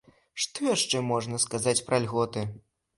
Што яшчэ можна сказаць пра льготы?